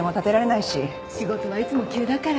仕事はいつも急だから。